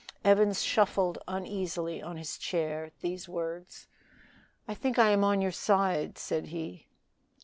Evans shuffled uneasily on his chair at these words. "I think I am on your side," said he.